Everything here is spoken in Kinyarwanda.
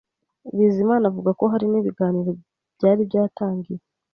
Bizimana avuga ko hari n’ibiganiro byari byatangiye